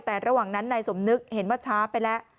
แต่ระหว่างนั้นนายสมนึกเห็นว่าช้าไปแล้ว